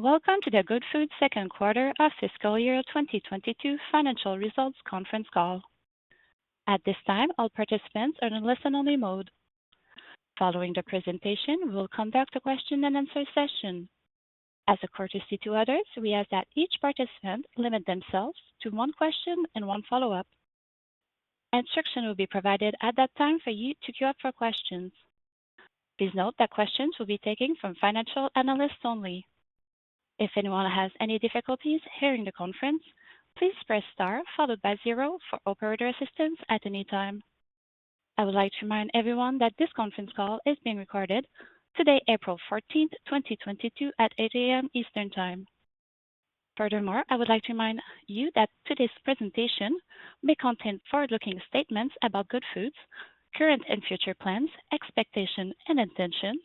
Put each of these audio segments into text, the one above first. Welcome to the Goodfood second quarter of fiscal year 2022 financial results conference call. At this time, all participants are in listen-only mode. Following the presentation, we will conduct a question and answer session. As a courtesy to others, we ask that each participant limit themselves to one question and one follow-up. Instructions will be provided at that time for you to queue up for questions. Please note that questions will be taken from financial analysts only. If anyone has any difficulties hearing the conference, please press star followed by zero for operator assistance at any time. I would like to remind everyone that this conference call is being recorded today, April 14, 2022 at 8 A.M. Eastern Time. Furthermore, I would like to remind you that today's presentation may contain forward-looking statements about Goodfood's current and future plans, expectations and intentions,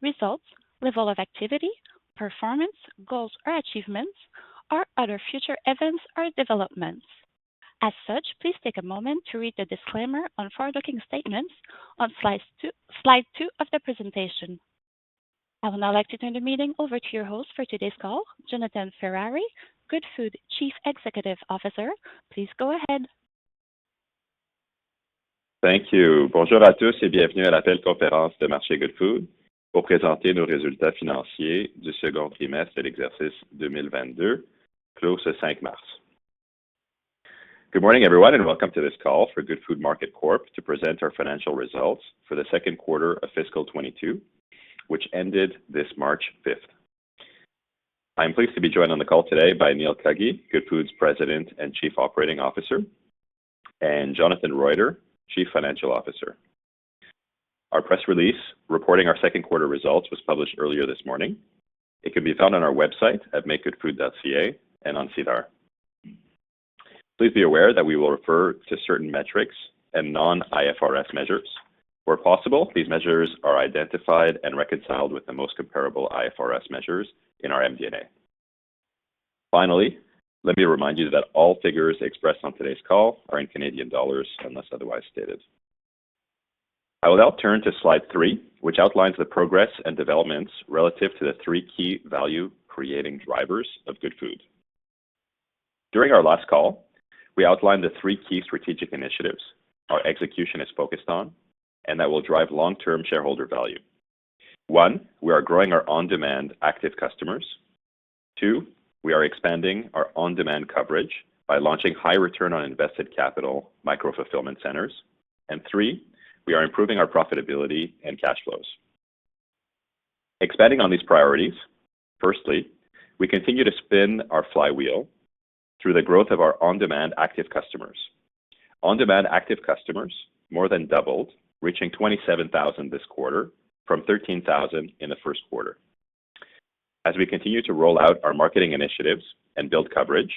results, level of activity, performance, goals or achievements or other future events or developments. As such, please take a moment to read the disclaimer on forward-looking statements on slide two, slide two of the presentation. I would now like to turn the meeting over to your host for today's call, Jonathan Ferrari, Goodfood Chief Executive Officer. Please go ahead. Thank you. Good morning, everyone, and welcome to this call for Goodfood Market Corp to present our financial results for the second quarter of fiscal 2022, which ended this March fifth. I am pleased to be joined on the call today by Neil Cuggy, Goodfood's President and Chief Operating Officer, and Jonathan Roiter, Chief Financial Officer. Our press release reporting our second quarter results was published earlier this morning. It can be found on our website at makegoodfood.ca and on SEDAR. Please be aware that we will refer to certain metrics and non-IFRS measures. Where possible, these measures are identified and reconciled with the most comparable IFRS measures in our MD&A. Finally, let me remind you that all figures expressed on today's call are in Canadian dollars, unless otherwise stated. I will now turn to slide three, which outlines the progress and developments relative to the three key value-creating drivers of Goodfood. During our last call, we outlined the three key strategic initiatives our execution is focused on and that will drive long-term shareholder value. one, we are growing our on-demand active customers. two, we are expanding our on-demand coverage by launching high return on invested capital micro-fulfillment centers. And three, we are improving our profitability and cash flows. Expanding on these priorities, firstly, we continue to spin our flywheel through the growth of our on-demand active customers. On-demand active customers more than doubled, reaching 27,000 this quarter from 13,000 in the first quarter. As we continue to roll out our marketing initiatives and build coverage,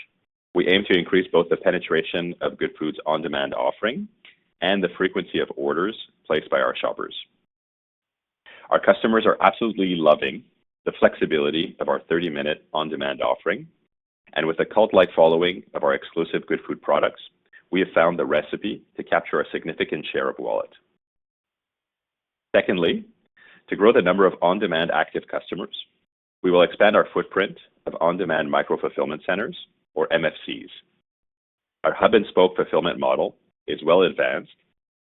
we aim to increase both the penetration of Goodfood's on-demand offering and the frequency of orders placed by our shoppers. Our customers are absolutely loving the flexibility of our 30-minute on-demand offering, and with a cult-like following of our exclusive Goodfood products, we have found the recipe to capture a significant share of wallet. Secondly, to grow the number of on-demand active customers, we will expand our footprint of on-demand micro-fulfillment centers or MFCs. Our hub-and-spoke fulfillment model is well advanced,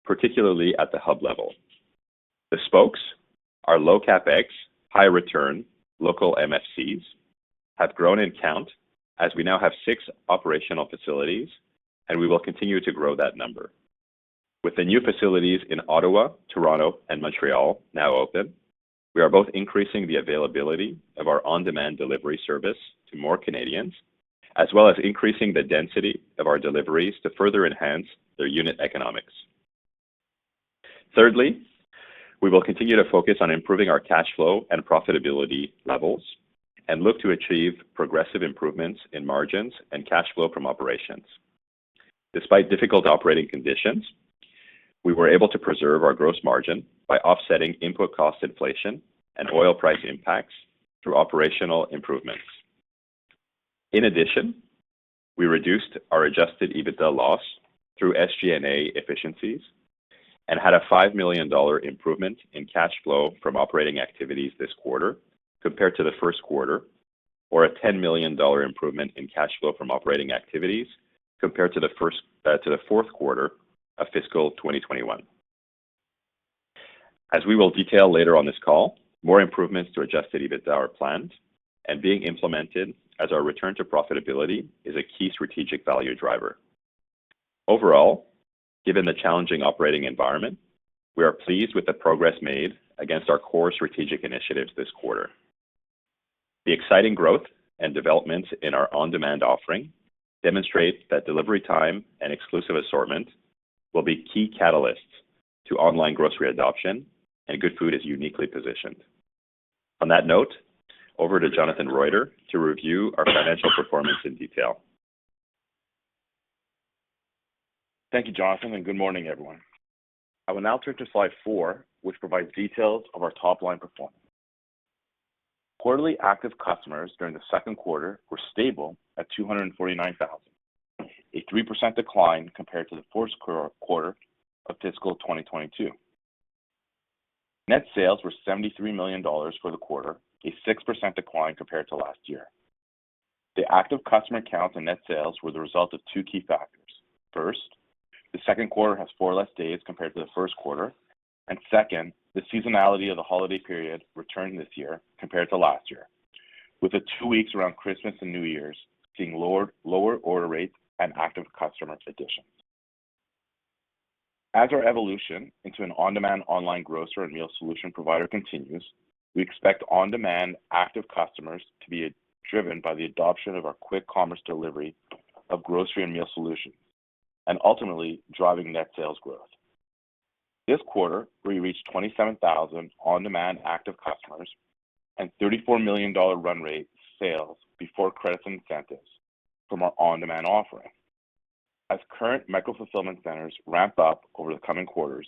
particularly at the hub level. The spokes, our low CapEx, high return local MFCs, have grown in count as we now have six operational facilities, and we will continue to grow that number. With the new facilities in Ottawa, Toronto and Montreal now open, we are both increasing the availability of our on-demand delivery service to more Canadians, as well as increasing the density of our deliveries to further enhance their unit economics. Thirdly, we will continue to focus on improving our cash flow and profitability levels and look to achieve progressive improvements in margins and cash flow from operations. Despite difficult operating conditions, we were able to preserve our gross margin by offsetting input cost inflation and oil price impacts through operational improvements. In addition, we reduced our adjusted EBITDA loss through SG&A efficiencies and had a 5 million dollar improvement in cash flow from operating activities this quarter compared to the first quarter, or a 10 million dollar improvement in cash flow from operating activities compared to the first, to the fourth quarter of fiscal 2021. As we will detail later on this call, more improvements to adjusted EBITDA are planned and being implemented as our return to profitability is a key strategic value driver. Overall, given the challenging operating environment, we are pleased with the progress made against our core strategic initiatives this quarter. The exciting growth and developments in our on-demand offering demonstrate that delivery time and exclusive assortment will be key catalysts to online grocery adoption, and Goodfood is uniquely positioned. On that note, over to Jonathan Roiter to review our financial performance in detail. Thank you, Jonathan, and good morning, everyone. I will now turn to slide 4, which provides details of our top-line performance. Quarterly active customers during the second quarter were stable at 249,000, a 3% decline compared to the fourth quarter of fiscal 2022. Net sales were 73 million dollars for the quarter, a 6% decline compared to last year. The active customer counts and net sales were the result of two key factors. First, the second quarter has four less days compared to the first quarter. Second, the seasonality of the holiday period returned this year compared to last year, with the two weeks around Christmas and New Year's seeing lower order rates and active customer additions. As our evolution into an on-demand online grocer and meal solution provider continues, we expect on-demand active customers to be driven by the adoption of our quick commerce delivery of grocery and meal solutions, and ultimately driving net sales growth. This quarter, we reached 27,000 on-demand active customers and 34 million dollar run rate sales before credits and incentives from our on-demand offering. As current micro-fulfillment centers ramp up over the coming quarters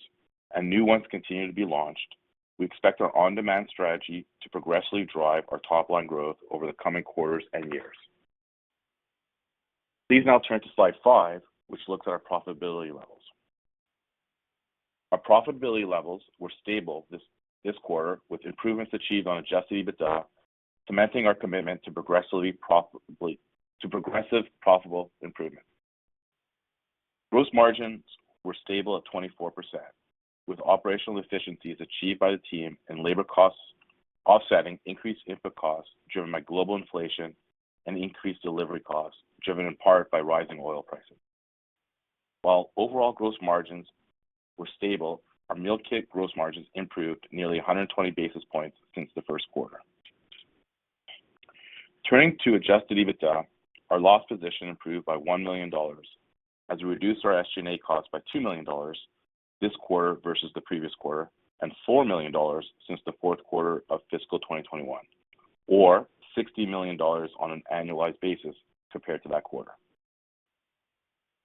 and new ones continue to be launched, we expect our on-demand strategy to progressively drive our top-line growth over the coming quarters and years. Please now turn to slide five, which looks at our profitability levels. Our profitability levels were stable this quarter, with improvements achieved on adjusted EBITDA, cementing our commitment to progressive profitable improvement. Gross margins were stable at 24%, with operational efficiencies achieved by the team and labor costs offsetting increased input costs driven by global inflation and increased delivery costs driven in part by rising oil prices. While overall gross margins were stable, our meal kit gross margins improved nearly 120 basis points since the first quarter. Turning to adjusted EBITDA, our loss position improved by 1 million dollars as we reduced our SG&A costs by 2 million dollars this quarter versus the previous quarter and 4 million dollars since the fourth quarter of fiscal 2021, or 60 million dollars on an annualized basis compared to that quarter.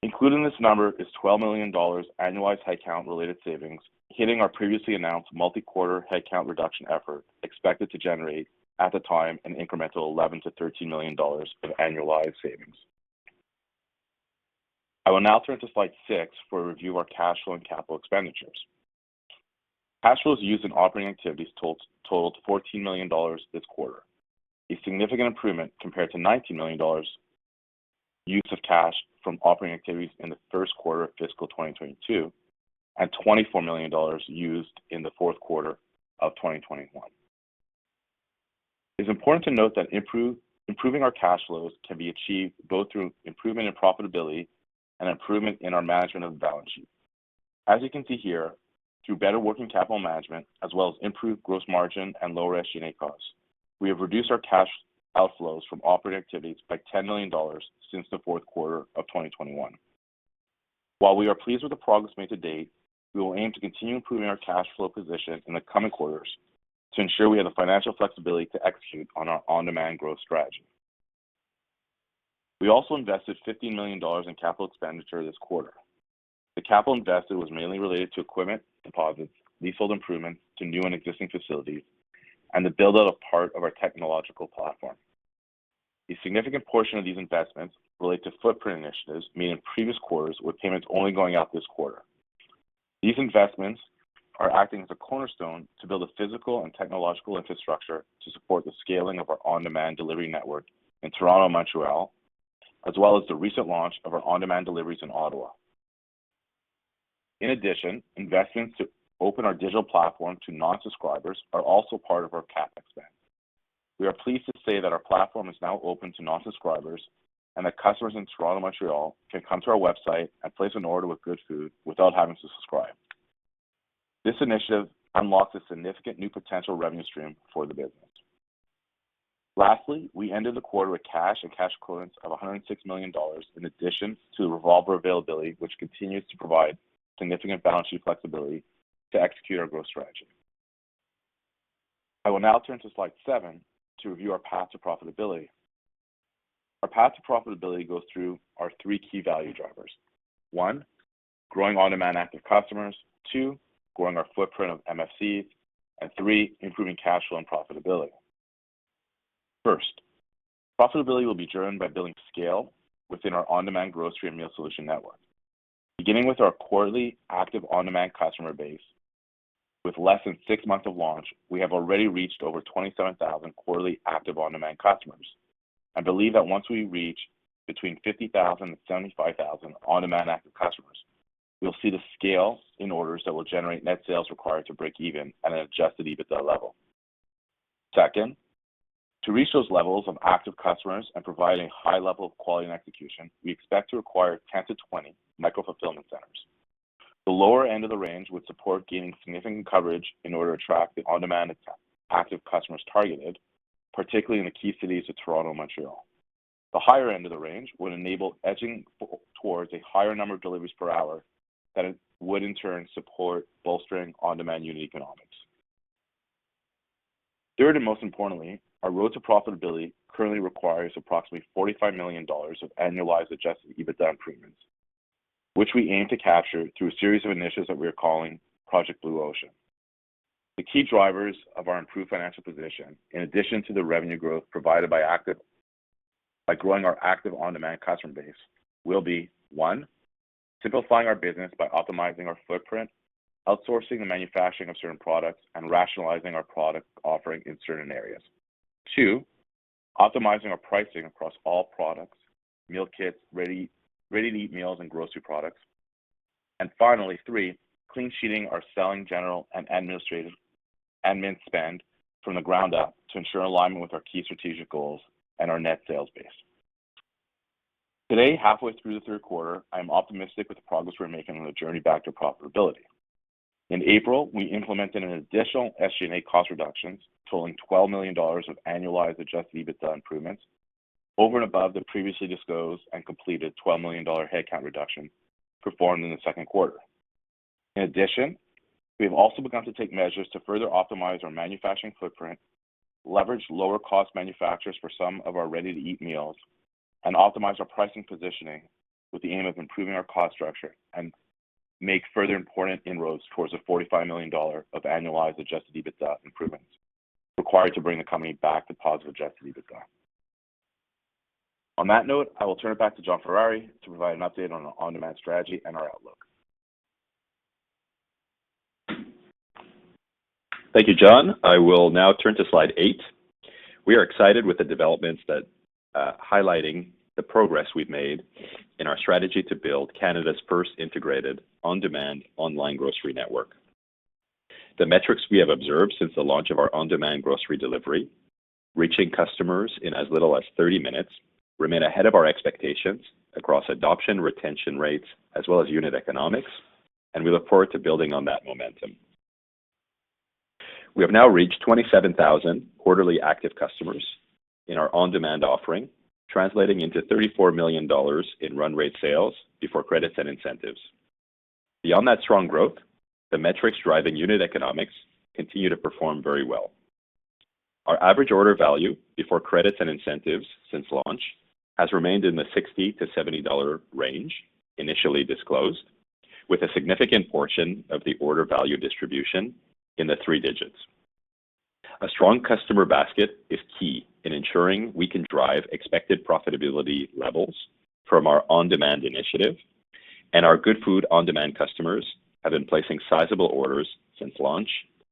Included in this number is 12 million dollars annualized headcount-related savings, hitting our previously announced multi-quarter headcount reduction effort expected to generate at the time an incremental 11 million-13 million dollars of annualized savings. I will now turn to slide 6 for a review of our cash flow and capital expenditures. Cash flows used in operating activities totaled 14 million dollars this quarter, a significant improvement compared to 19 million dollars use of cash from operating activities in the first quarter of fiscal 2022, and 24 million dollars used in the fourth quarter of 2021. It's important to note that improving our cash flows can be achieved both through improvement in profitability and improvement in our management of the balance sheet. As you can see here, through better working capital management as well as improved gross margin and lower SG&A costs, we have reduced our cash outflows from operating activities by 10 million dollars since the fourth quarter of 2021. While we are pleased with the progress made to date, we will aim to continue improving our cash flow position in the coming quarters to ensure we have the financial flexibility to execute on our on-demand growth strategy. We also invested 50 million dollars in capital expenditure this quarter. The capital invested was mainly related to equipment, deposits, leasehold improvements to new and existing facilities, and the build-out of part of our technological platform. A significant portion of these investments relate to footprint initiatives made in previous quarters, with payments only going out this quarter. These investments are acting as a cornerstone to build a physical and technological infrastructure to support the scaling of our on-demand delivery network in Toronto and Montreal, as well as the recent launch of our on-demand deliveries in Ottawa. In addition, investments to open our digital platform to non-subscribers are also part of our CapEx spend. We are pleased to say that our platform is now open to non-subscribers and that customers in Toronto and Montreal can come to our website and place an order with Goodfood without having to subscribe. This initiative unlocks a significant new potential revenue stream for the business. Lastly, we ended the quarter with cash and cash equivalents of 106 million dollars in addition to the revolver availability, which continues to provide significant balance sheet flexibility to execute our growth strategy. I will now turn to slide seven to review our path to profitability. Our path to profitability goes through our three key value drivers. One, growing on-demand active customers. Two, growing our footprint of MFCs. And three, improving cash flow and profitability. First, profitability will be driven by building scale within our on-demand grocery and meal solution network, beginning with our quarterly active on-demand customer base. With less than six months of launch, we have already reached over 27,000 quarterly active on-demand customers. I believe that once we reach between 50,000 and 75,000 on-demand active customers, we will see the scale in orders that will generate net sales required to break even at an adjusted EBITDA level. Second, to reach those levels of active customers and providing high level of quality and execution, we expect to require 10-20 micro-fulfillment centers. The lower end of the range would support gaining significant coverage in order to attract the on-demand active customers targeted, particularly in the key cities of Toronto and Montreal. The higher end of the range would enable edging towards a higher number of deliveries per hour that would in turn support bolstering on-demand unit economics. Third, and most importantly, our road to profitability currently requires approximately 45 million dollars of annualized adjusted EBITDA improvement, which we aim to capture through a series of initiatives that we are calling Project Blue Ocean. The key drivers of our improved financial position, in addition to the revenue growth provided by growing our active on-demand customer base, will be, one, simplifying our business by optimizing our footprint, outsourcing the manufacturing of certain products, and rationalizing our product offering in certain areas. Two, optimizing our pricing across all products, meal kits, ready-to-eat meals, and grocery products. Finally, three, clean-sheeting our selling general and administrative admin spend from the ground up to ensure alignment with our key strategic goals and our net sales base. Today, halfway through the third quarter, I am optimistic with the progress we're making on the journey back to profitability. In April, we implemented an additional SG&A cost reductions totaling 12 million dollars of annualized adjusted EBITDA improvements over and above the previously disclosed and completed 12 million dollar headcount reduction performed in the second quarter. In addition, we have also begun to take measures to further optimize our manufacturing footprint, leverage lower-cost manufacturers for some of our ready-to-eat meals, and optimize our pricing positioning with the aim of improving our cost structure and make further important inroads towards the 45 million dollar of annualized adjusted EBITDA improvements required to bring the company back to positive adjusted EBITDA. On that note, I will turn it back to Jonathan Ferrari to provide an update on our on-demand strategy and our outlook. Thank you, John. I will now turn to slide 8. We are excited with the developments that highlighting the progress we've made in our strategy to build Canada's first integrated on-demand online grocery network. The metrics we have observed since the launch of our on-demand grocery delivery, reaching customers in as little as 30 minutes, remain ahead of our expectations across adoption, retention rates, as well as unit economics, and we look forward to building on that momentum. We have now reached 27,000 quarterly active customers in our on-demand offering, translating into 34 million dollars in run rate sales before credits and incentives. Beyond that strong growth, the metrics driving unit economics continue to perform very well. Our average order value before credits and incentives since launch has remained in the 60-70 dollar range initially disclosed, with a significant portion of the order value distribution in the three digits. A strong customer basket is key in ensuring we can drive expected profitability levels from our on-demand initiative, and our Goodfood on-demand customers have been placing sizable orders since launch,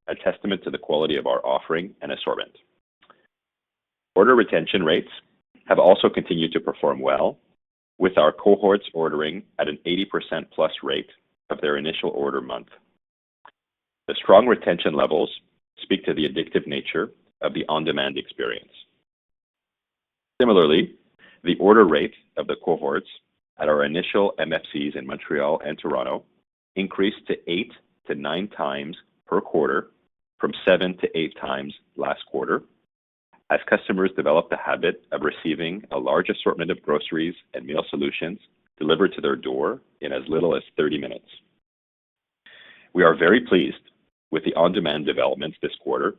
a testament to the quality of our offering and assortment. Order retention rates have also continued to perform well, with our cohorts ordering at an 80%+ rate of their initial order month. The strong retention levels speak to the addictive nature of the on-demand experience. Similarly, the order rate of the cohorts at our initial MFCs in Montreal and Toronto increased to 8-9 times per quarter from 7-8 times last quarter as customers developed the habit of receiving a large assortment of groceries and meal solutions delivered to their door in as little as 30 minutes. We are very pleased with the on-demand developments this quarter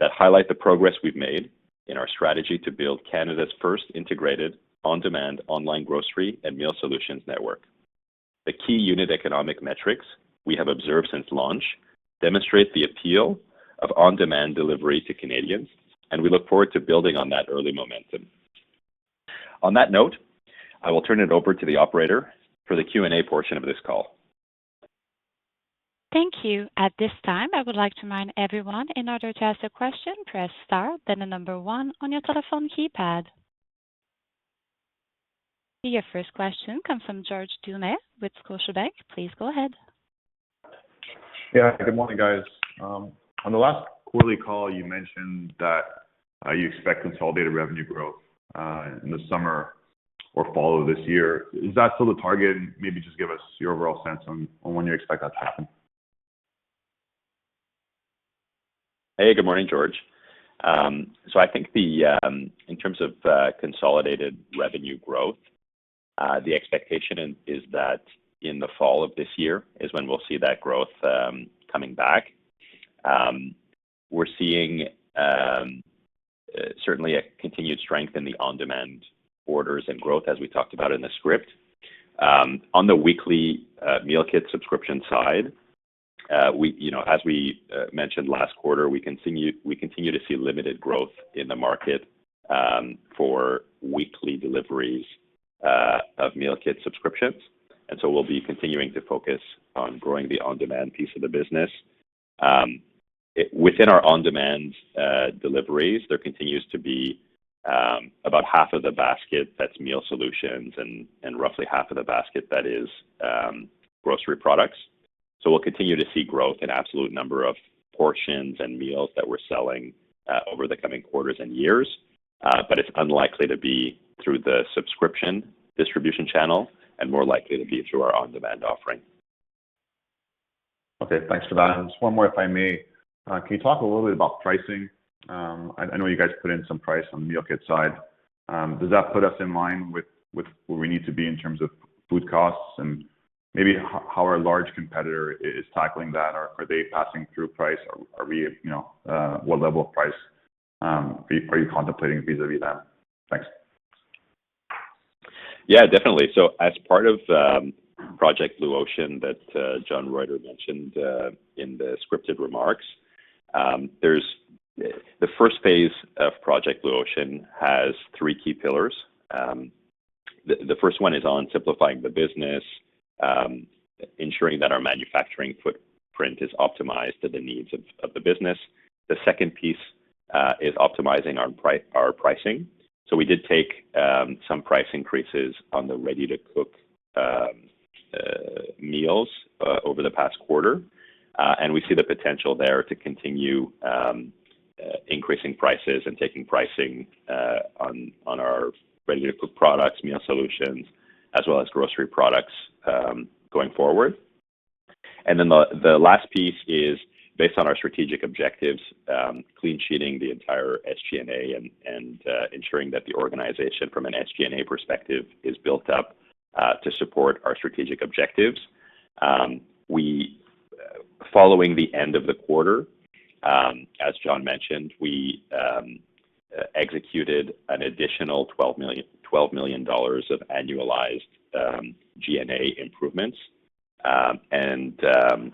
that highlight the progress we've made in our strategy to build Canada's first integrated on-demand online grocery and meal solutions network. The key unit economic metrics we have observed since launch demonstrate the appeal of on-demand delivery to Canadians, and we look forward to building on that early momentum. On that note, I will turn it over to the operator for the Q&A portion of this call. Thank you. At this time, I would like to remind everyone, in order to ask a question, press star, then the number one on your telephone keypad. Your first question comes from George Doumet with Scotiabank. Please go ahead. Yeah. Good morning, guys. On the last quarterly call, you mentioned that you expect consolidated revenue growth in the summer or fall of this year. Is that still the target? Maybe just give us your overall sense on when you expect that to happen. Hey, good morning, George. So I think in terms of consolidated revenue growth, the expectation is that in the fall of this year is when we'll see that growth coming back. We're seeing certainly a continued strength in the on-demand orders and growth as we talked about in the script. On the weekly meal kit subscription side, we, you know, as we mentioned last quarter, we continue to see limited growth in the market for weekly deliveries of meal kit subscriptions. We'll be continuing to focus on growing the on-demand piece of the business. Within our on-demand deliveries, there continues to be about half of the basket that's meal solutions and roughly half of the basket that is grocery products. We'll continue to see growth in absolute number of portions and meals that we're selling, over the coming quarters and years. It's unlikely to be through the subscription distribution channel and more likely to be through our on-demand offering. Okay. Thanks for that. Just one more, if I may. Can you talk a little bit about pricing? I know you guys put in some price on the meal kit side. Does that put us in line with where we need to be in terms of food costs and maybe how our large competitor is tackling that? Are they passing through price? Are we at, you know, what level of price? Are you contemplating vis-a-vis that? Thanks. Yeah, definitely. As part of Project Blue Ocean that Jonathan Roiter mentioned in the scripted remarks, the first phase of Project Blue Ocean has three key pillars. The first one is on simplifying the business, ensuring that our manufacturing footprint is optimized to the needs of the business. The second piece is optimizing our pricing. We did take some price increases on the ready-to-cook meals over the past quarter, and we see the potential there to continue increasing prices and taking pricing on our ready-to-cook products, meal solutions, as well as grocery products, going forward. The last piece is based on our strategic objectives, clean sheeting the entire SG&A and ensuring that the organization from an SG&A perspective is built up to support our strategic objectives. Following the end of the quarter, as John mentioned, we executed an additional 12 million of annualized G&A improvements.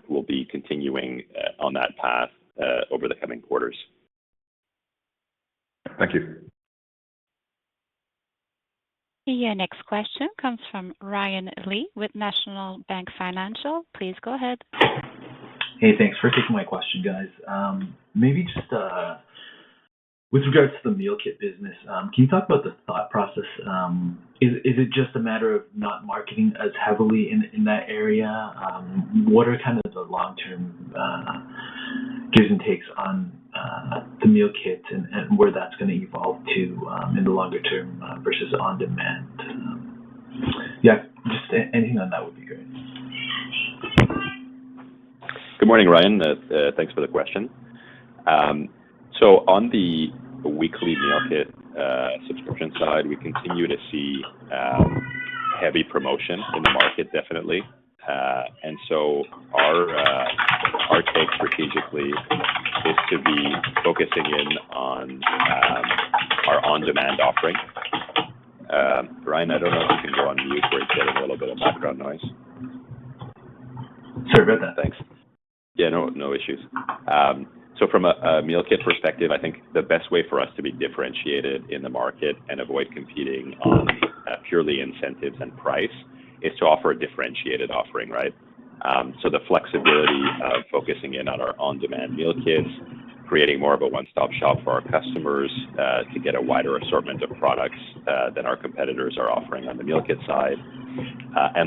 We'll be continuing on that path over the coming quarters. Thank you. Your next question comes from Ryan Li with National Bank Financial. Please go ahead. Hey, thanks for taking my question, guys. Maybe just, with regards to the meal kit business, can you talk about the thought process? Is it just a matter of not marketing as heavily in that area? What are kind of the long-term gives and takes on the meal kit and where that's gonna evolve to in the longer term versus on-demand? Yeah, just anything on that would be great. Good morning, Ryan. Thanks for the question. On the weekly meal kit subscription side, we continue to see heavy promotion in the market, definitely. Our take strategically is to be focusing in on our on-demand offering. Ryan, I don't know if you can go on mute. We're getting a little bit of background noise. Sorry about that. Thanks. Yeah, no issues. From a meal kit perspective, I think the best way for us to be differentiated in the market and avoid competing on purely incentives and price is to offer a differentiated offering, right? The flexibility of focusing in on our on-demand meal kits, creating more of a one-stop shop for our customers to get a wider assortment of products than our competitors are offering on the meal kit side.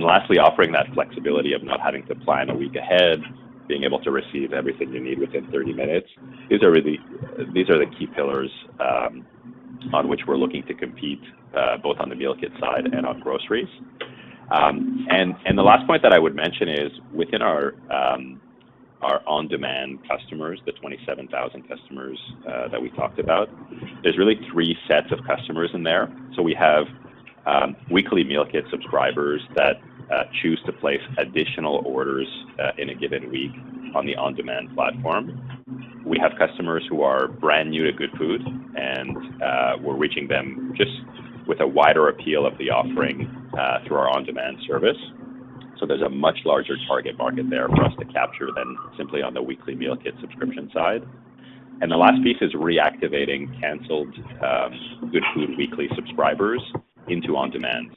Lastly, offering that flexibility of not having to plan a week ahead, being able to receive everything you need within 30 minutes. These are the key pillars on which we're looking to compete both on the meal kit side and on groceries. The last point that I would mention is within our on-demand customers, the 27,000 customers that we talked about. There's really three sets of customers in there. We have weekly meal kit subscribers that choose to place additional orders in a given week on the on-demand platform. We have customers who are brand new to Goodfood, and we're reaching them just with a wider appeal of the offering through our on-demand service. There's a much larger target market there for us to capture than simply on the weekly meal kit subscription side. The last piece is reactivating canceled Goodfood weekly subscribers into on-demand.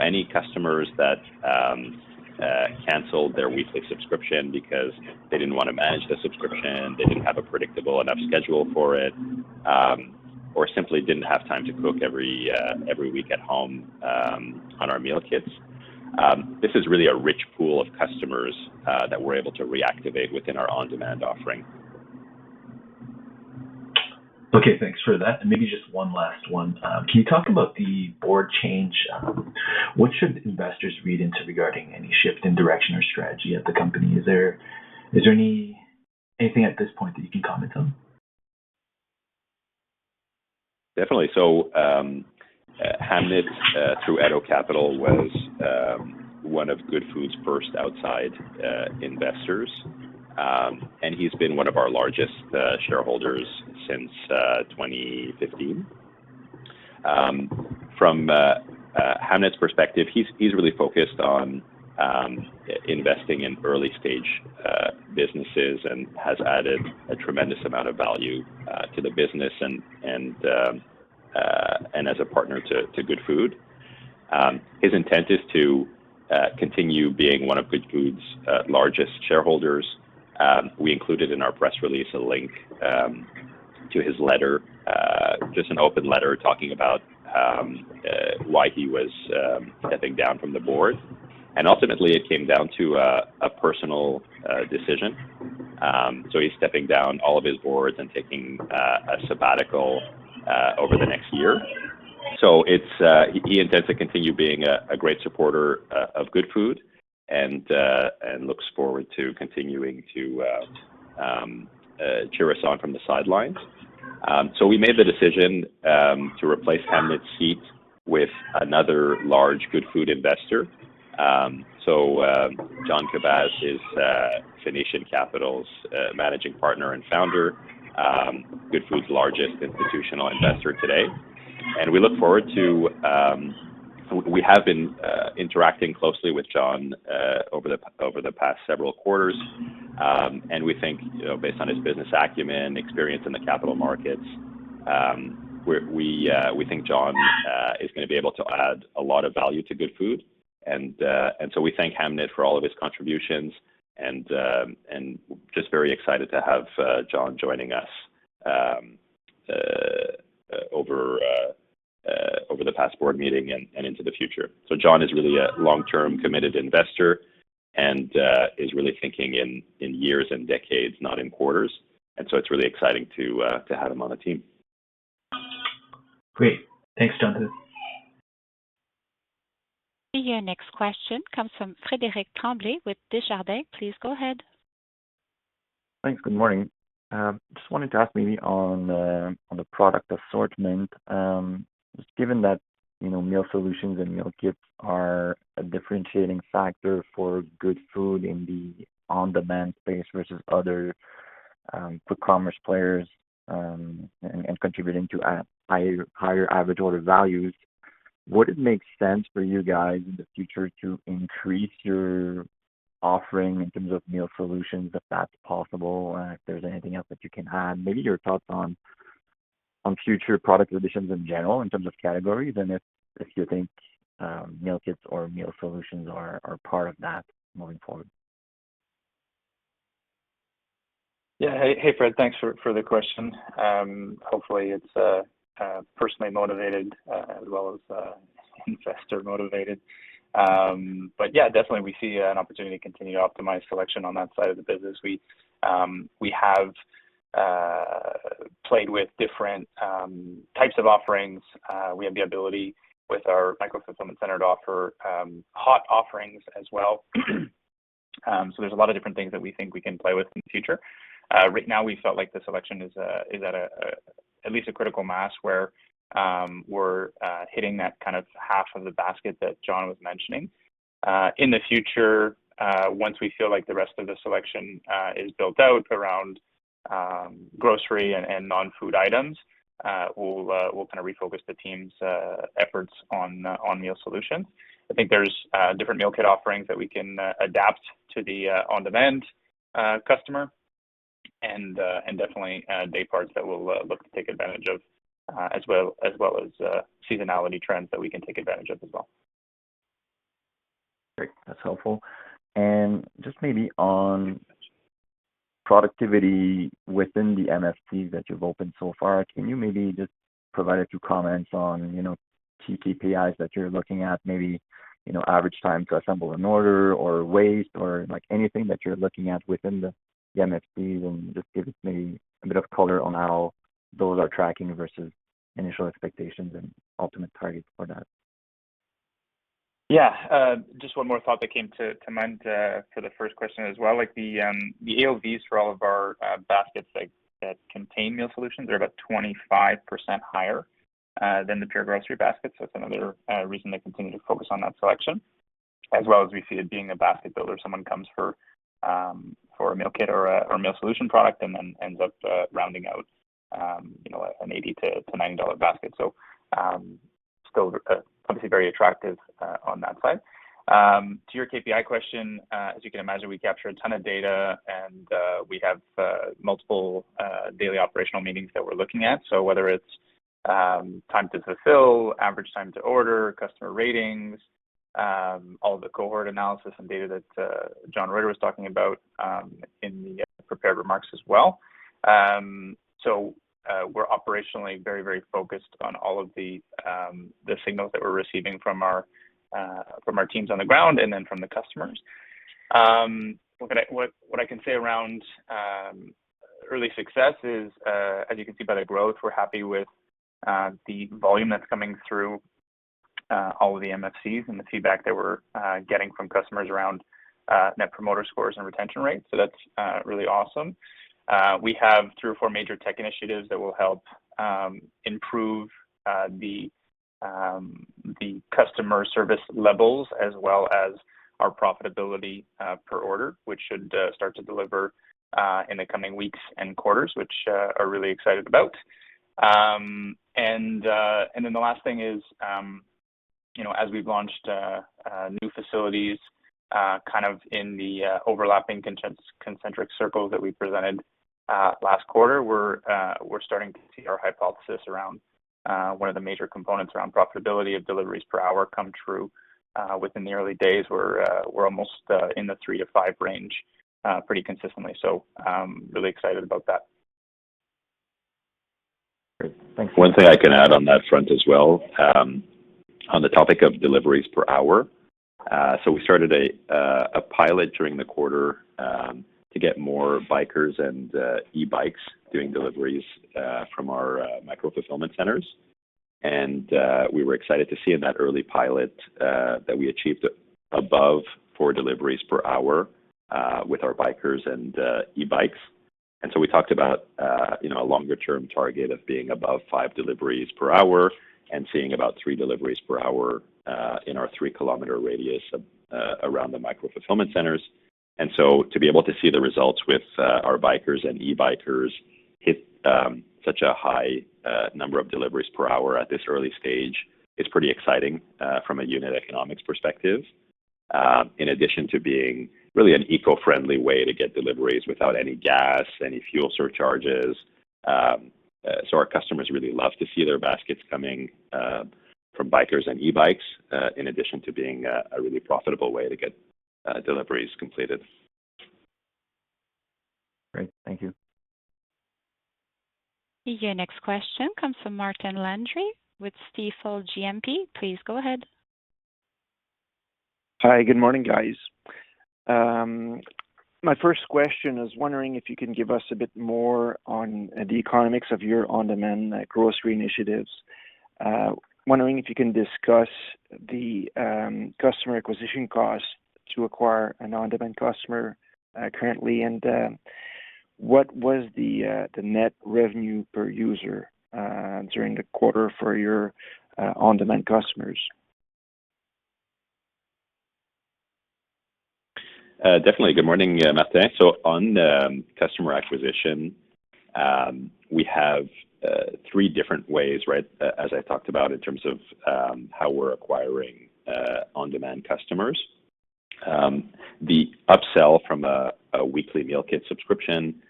Any customers that canceled their weekly subscription because they didn't wanna manage the subscription, they didn't have a predictable enough schedule for it, or simply didn't have time to cook every week at home on our meal kits, this is really a rich pool of customers that we're able to reactivate within our on-demand offering. Okay. Thanks for that. Maybe just one last one. Can you talk about the board change? What should investors read into regarding any shift in direction or strategy of the company? Is there anything at this point that you can comment on? Definitely. Hamed, through Eddystone Capital was one of Goodfood's first outside investors, and he's been one of our largest shareholders since 2015. From Hamed's perspective, he's really focused on investing in early stage businesses and has added a tremendous amount of value to the business and as a partner to Goodfood. His intent is to continue being one of Goodfood's largest shareholders. We included in our press release a link to his letter, just an open letter talking about why he was stepping down from the board. Ultimately, it came down to a personal decision. He's stepping down all of his boards and taking a sabbatical over the next year. It's he intends to continue being a great supporter of Goodfood and looks forward to continuing to cheer us on from the sidelines. We made the decision to replace Hamed's seat with another large Goodfood investor. John Kabbash is Phoenician Capital's Managing Partner and Founder, Goodfood's largest institutional investor today. We look forward to. We have been interacting closely with John over the past several quarters. We think, you know, based on his business acumen, experience in the capital markets, we think John is gonna be able to add a lot of value to Goodfood. We thank Hamed for all of his contributions and we are just very excited to have John joining us over the past board meeting and into the future. John is really a long-term committed investor and is really thinking in years and decades, not in quarters, and it's really exciting to have him on the team. Great. Thanks, Jonathan. Your next question comes from Frederic Tremblay with Desjardins. Please go ahead. Thanks. Good morning. Just wanted to ask maybe on the product assortment, just given that, you know, meal solutions and meal kits are a differentiating factor for Goodfood in the on-demand space versus other quick commerce players, and contributing to a higher average order values, would it make sense for you guys in the future to increase your offering in terms of meal solutions, if that's possible, and if there's anything else that you can add? Maybe your thoughts on future product additions in general in terms of categories and if you think meal kits or meal solutions are part of that moving forward. Yeah. Hey, Fred. Thanks for the question. Hopefully it's personally motivated as well as investor motivated. Yeah, definitely we see an opportunity to continue to optimize selection on that side of the business. We have played with different types of offerings. We have the ability with our micro-fulfillment center to offer hot offerings as well. There's a lot of different things that we think we can play with in the future. Right now we felt like the selection is at least a critical mass where we're hitting that kind of half of the basket that John was mentioning. In the future, once we feel like the rest of the selection is built out around grocery and non-food items, we'll kind of refocus the team's efforts on meal solutions. I think there's different meal kit offerings that we can adapt to the on-demand customer and definitely day parts that we'll look to take advantage of as well as seasonality trends that we can take advantage of as well. Great. That's helpful. Just maybe on productivity within the MFCs that you've opened so far, can you maybe just provide a few comments on, you know, key KPIs that you're looking at, maybe, you know, average time to assemble an order or waste or like anything that you're looking at within the MFCs and just give maybe a bit of color on how those are tracking versus initial expectations and ultimate targets for that? Yeah. Just one more thought that came to mind for the first question as well, like the AOV's for all of our baskets like that contain meal solutions are about 25% higher than the pure grocery basket. That's another reason to continue to focus on that selection. As well as we see it being a basket builder, someone comes for a meal kit or a meal solution product and then ends up rounding out you know an 80-90 dollar basket. Still obviously very attractive on that side. To your KPI question, as you can imagine, we capture a ton of data and we have multiple daily operational meetings that we're looking at. whether it's time to fulfill, average time to order, customer ratings, all of the cohort analysis and data that Jonathan Roiter was talking about in the prepared remarks as well. We're operationally very focused on all of the signals that we're receiving from our teams on the ground and then from the customers. What I can say around early success is, as you can see by the growth, we're happy with the volume that's coming through all of the MFCs and the feedback that we're getting from customers around net promoter scores and retention rates. That's really awesome. We have three or four major tech initiatives that will help improve the customer service levels as well as our profitability per order, which should start to deliver in the coming weeks and quarters, which we are really excited about. The last thing is, you know, as we've launched new facilities kind of in the overlapping concentric circle that we presented last quarter, we're starting to see our hypothesis around one of the major components around profitability of deliveries per hour come true. Within the early days, we're almost in the 3-5 range pretty consistently, so really excited about that. Great. Thanks. One thing I can add on that front as well, on the topic of deliveries per hour. We started a pilot during the quarter to get more bikers and e-bikes doing deliveries from our micro-fulfillment centers. We were excited to see in that early pilot that we achieved above four deliveries per hour with our bikers and e-bikes. We talked about you know a longer-term target of being above five deliveries per hour and seeing about three deliveries per hour in our three-kilometer radius around the micro-fulfillment centers. To be able to see the results with our bikers and e-bikers hit such a high number of deliveries per hour at this early stage is pretty exciting from a unit economics perspective, in addition to being really an eco-friendly way to get deliveries without any gas, any fuel surcharges. Our customers really love to see their baskets coming from bikers and e-bikes, in addition to being a really profitable way to get deliveries completed. Great. Thank you. Your next question comes from Martin Landry with Stifel GMP. Please go ahead. Hi. Good morning, guys. My first question is wondering if you can give us a bit more on the economics of your on-demand grocery initiatives. Wondering if you can discuss the customer acquisition costs to acquire an on-demand customer currently, and what was the net revenue per user during the quarter for your on-demand customers? Definitely. Good morning, Martin. On customer acquisition, we have three different ways, right, as I talked about in terms of how we're acquiring on-demand customers. The upsell from a weekly meal kit subscription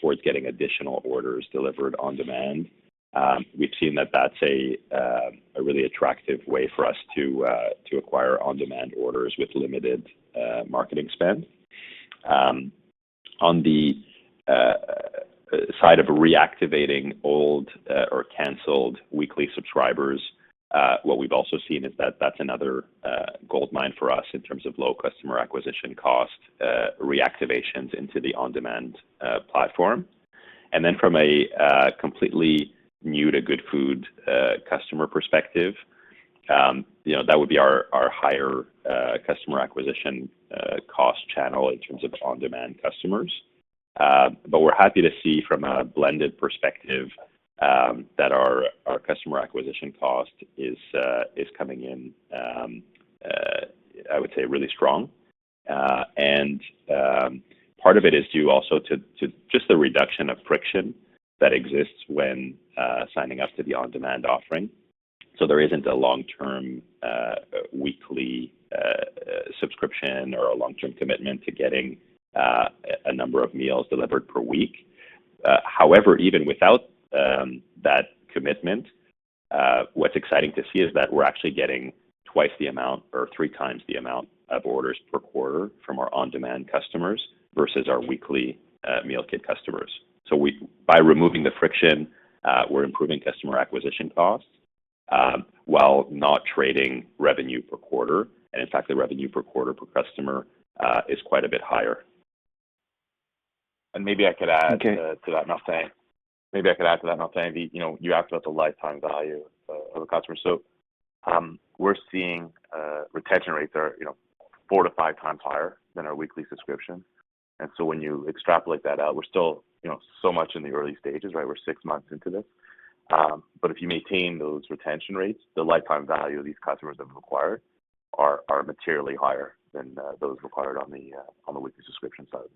towards getting additional orders delivered on demand. We've seen that that's a really attractive way for us to acquire on-demand orders with limited marketing spend. On the side of reactivating old or canceled weekly subscribers, what we've also seen is that that's another goldmine for us in terms of low customer acquisition cost reactivations into the on-demand platform. From a completely new to Goodfood customer perspective, you know, that would be our higher customer acquisition cost channel in terms of on-demand customers. We're happy to see from a blended perspective that our customer acquisition cost is coming in, I would say, really strong. Part of it is due also to just the reduction of friction that exists when signing up to the on-demand offering. There isn't a long-term weekly subscription or a long-term commitment to getting a number of meals delivered per week. However, even without that commitment, what's exciting to see is that we're actually getting twice the amount or three times the amount of orders per quarter from our on-demand customers versus our weekly meal kit customers. By removing the friction, we're improving customer acquisition costs while not trading revenue per quarter. In fact, the revenue per quarter per customer is quite a bit higher. Maybe I could add. Okay. Maybe I could add to that, Martin. You know, you asked about the lifetime value of a customer. We're seeing retention rates are, you know, 4-5 times higher than our weekly subscription. When you extrapolate that out, we're still, you know, so much in the early stages, right? We're six months into this. If you maintain those retention rates, the lifetime value of these customers that we've acquired are materially higher than those acquired on the weekly subscription side.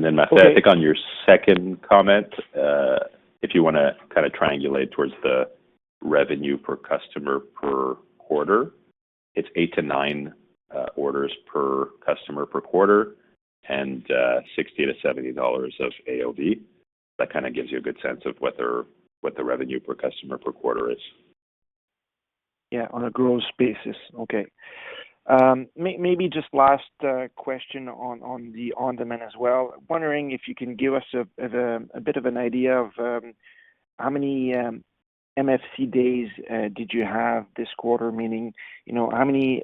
Martin, I think on your second comment, if you wanna kinda triangulate towards the revenue per customer per quarter, it's 8-9 orders per customer per quarter and 60-70 dollars of AOV. That kind of gives you a good sense of what the revenue per customer per quarter is. Yeah. On a gross basis. Okay. Maybe just last question on the on-demand as well. Wondering if you can give us a bit of an idea of how many MFC days did you have this quarter? Meaning, you know, how many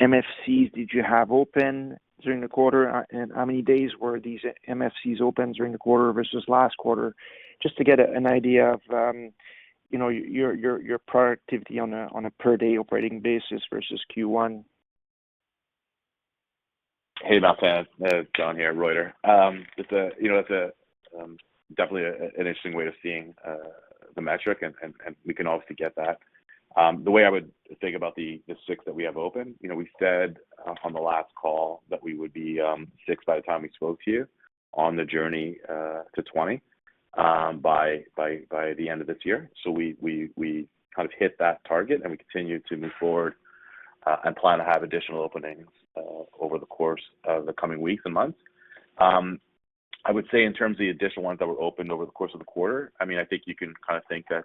MFCs did you have open during the quarter, and how many days were these MFCs open during the quarter versus last quarter? Just to get an idea of, you know, your productivity on a per-day operating basis versus Q1. Hey, Martin. Jonathan Roiter here. Just, you know, that's definitely an interesting way of seeing the metric, and we can obviously get that. The way I would think about the six that we have open, you know, we said on the last call that we would be six by the time we spoke to you on the journey to 20 by the end of this year. We kind of hit that target, and we continue to move forward and plan to have additional openings over the course of the coming weeks and months. I would say in terms of the additional ones that were opened over the course of the quarter, I mean, I think you can kind of think that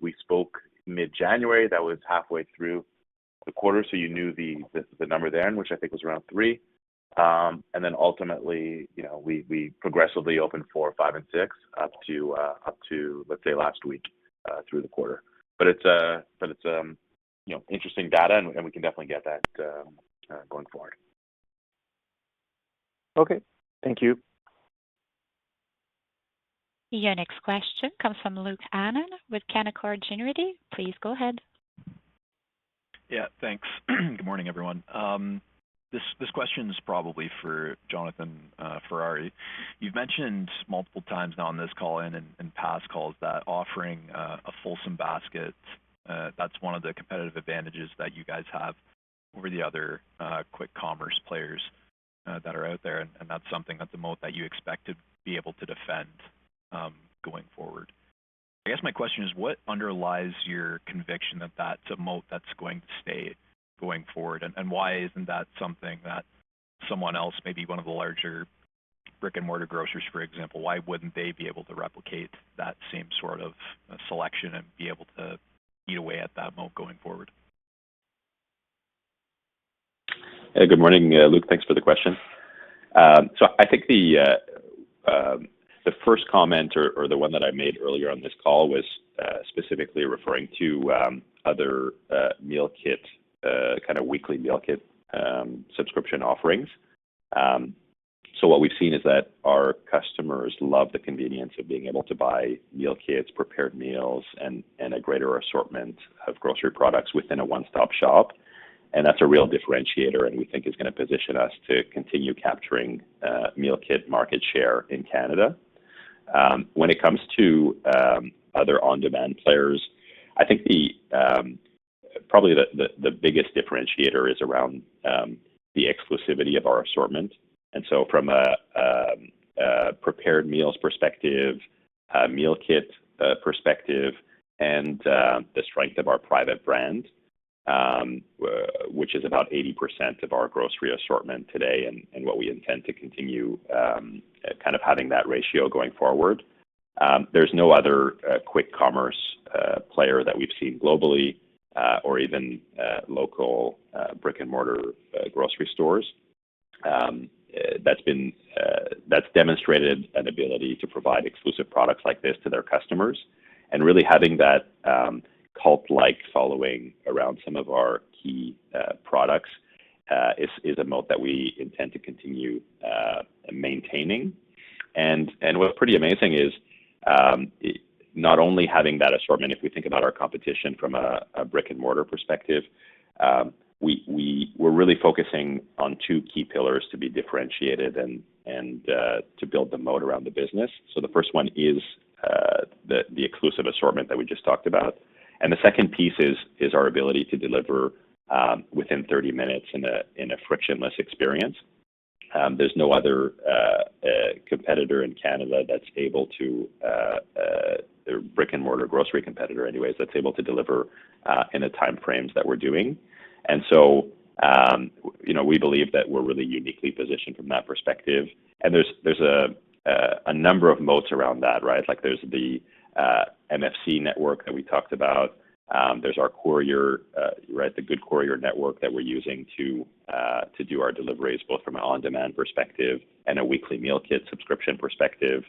we spoke mid-January, that was halfway through the quarter, so you knew the number then, which I think was around three. Ultimately, you know, we progressively opened four, five and six up to, let's say, last week, through the quarter. It's you know, interesting data and we can definitely get that going forward. Okay. Thank you. Your next question comes from Luke Hannan with Canaccord Genuity. Please go ahead. Yeah, thanks. Good morning, everyone. This question's probably for Jonathan Ferrari. You've mentioned multiple times now on this call and in past calls that offering a fulsome basket that's one of the competitive advantages that you guys have over the other quick commerce players that are out there. That's something, that's a moat that you expect to be able to defend going forward. I guess my question is, what underlies your conviction that that's a moat that's going to stay going forward, and why isn't that something that someone else, maybe one of the larger brick-and-mortar grocers, for example, why wouldn't they be able to replicate that same sort of selection and be able to eat away at that moat going forward? Good morning, Luke. Thanks for the question. I think the first comment or the one that I made earlier on this call was specifically referring to other meal kit kind of weekly meal kit subscription offerings. What we've seen is that our customers love the convenience of being able to buy meal kits, prepared meals, and a greater assortment of grocery products within a one-stop shop. That's a real differentiator, and we think is gonna position us to continue capturing meal kit market share in Canada. When it comes to other on-demand players, I think probably the biggest differentiator is around the exclusivity of our assortment. From a prepared meals perspective, a meal kit perspective, and the strength of our private brand, which is about 80% of our grocery assortment today and what we intend to continue kind of having that ratio going forward. There's no other quick commerce player that we've seen globally or even local brick-and-mortar grocery stores that's demonstrated an ability to provide exclusive products like this to their customers. Really having that cult-like following around some of our key products is a moat that we intend to continue maintaining. What's pretty amazing is not only having that assortment. If we think about our competition from a brick-and-mortar perspective, we're really focusing on two key pillars to be differentiated and to build the moat around the business. The first one is the exclusive assortment that we just talked about. The second piece is our ability to deliver within 30 minutes in a frictionless experience. There's no other brick-and-mortar grocery competitor in Canada anyways that's able to deliver in the time frames that we're doing. You know, we believe that we're really uniquely positioned from that perspective. There's a number of moats around that, right? Like there's the MFC network that we talked about. There's our courier, right, the Goodfood Courier network that we're using to do our deliveries, both from an on-demand perspective and a weekly meal kit subscription perspective,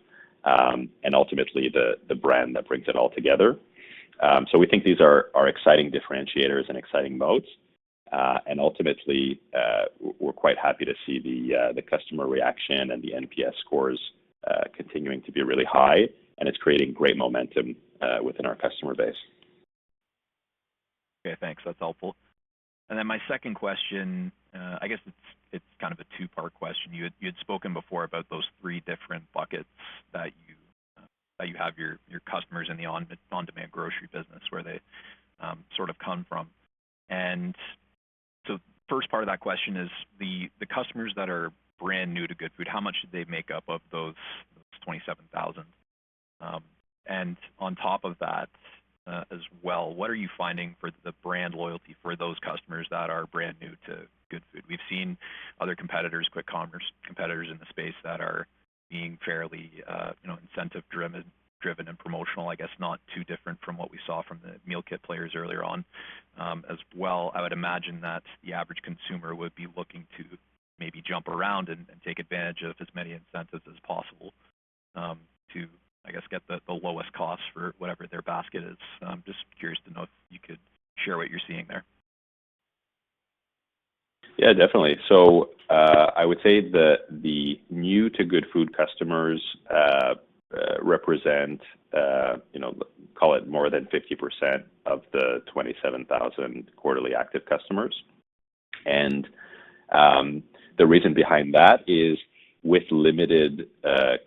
and ultimately the brand that brings it all together. We think these are exciting differentiators and exciting moats. We're quite happy to see the customer reaction and the NPS scores continuing to be really high, and it's creating great momentum within our customer base. Okay, thanks. That's helpful. My second question, I guess it's kind of a two-part question. You had spoken before about those three different buckets that you have your customers in the on-demand grocery business where they sort of come from. First part of that question is the customers that are brand new to Goodfood, how much do they make up of those 27,000? On top of that, as well, what are you finding for the brand loyalty for those customers that are brand new to Goodfood? We've seen other competitors, quick commerce competitors in the space that are being fairly, you know, incentive driven and promotional, I guess, not too different from what we saw from the meal kit players earlier on. As well, I would imagine that the average consumer would be looking to maybe jump around and take advantage of as many incentives as possible, to, I guess, get the lowest cost for whatever their basket is. I'm just curious to know if you could share what you're seeing there. Yeah, definitely. I would say the new to Goodfood customers represent, you know, call it more than 50% of the 27,000 quarterly active customers. The reason behind that is with limited